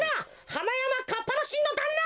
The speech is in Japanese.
はなやまかっぱのしんのだんな！